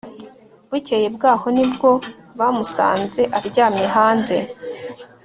bukeye bwaho nibwo bamusanze aryamye hanze